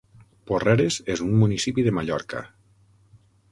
Porreres és un municipi de Mallorca.